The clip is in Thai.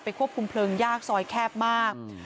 ควบคุมเพลิงยากซอยแคบมาก